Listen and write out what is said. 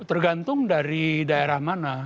tergantung dari daerah mana